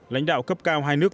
lãnh đạo cấp cao hai nước